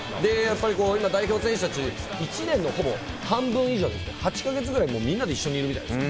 今、代表選手たち、１年のほぼ半分以上、８か月くらい、みんなで一緒にいるんです。